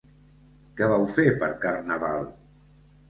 Què vau fer per Carnaval?